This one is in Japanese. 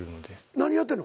何やってんの？